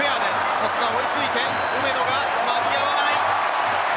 オスナ、追いついて梅野が間に合わない。